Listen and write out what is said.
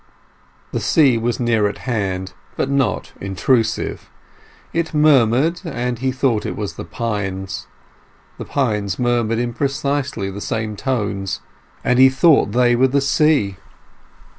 The sea was near at hand, but not intrusive; it murmured, and he thought it was the pines; the pines murmured in precisely the same tones, and he thought they were the sea.